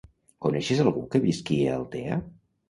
Coneixes algú que visqui a Altea?